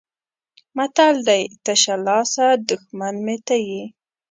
متل دی: تشه لاسه دښمن مې ته یې.